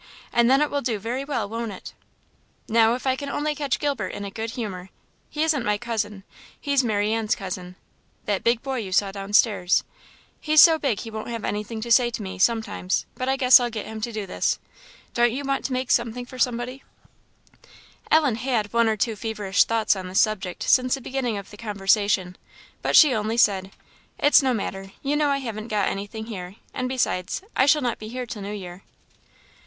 And then it will do very well, won't it? Now, if I can only catch Gilbert in a good humour he isn't my cousin he's Marianne's cousin that big boy you saw down stairs he's so big he won't have anything to say to me, sometimes, but I guess I'll get him to do this. Don't you want to make something for somebody?" Ellen had had one or two feverish thoughts on this subject since the beginning of the conversation, but she only said "It's no matter you know I haven't got anything here; and besides, I shall not be here till New Year."